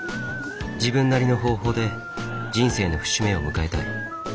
自分なりの方法で人生の節目を迎えたい。